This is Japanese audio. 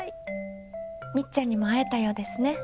みっちゃんにもあえたようですね。